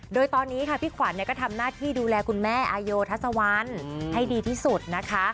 โดยตอนนี้ค่ะพี่ขวัญก็ทำหน้าที่ดูแลคุณแม่อาโยทัศวรรณให้ดีที่สุดนะคะ